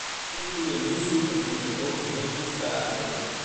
Dit goede nieuws roept natuurlijk ook een heleboel vragen op.